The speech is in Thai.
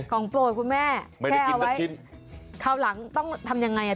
ของโปรดคุณแม่ไม่ได้กินตั้งชิ้นแช่เอาไว้ข้าวหลังต้องทำยังไงอ่ะ